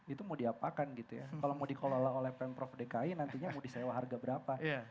itu mau diapakan gitu ya kalau mau dikelola oleh pemprov dki nantinya mau disewa harga berapa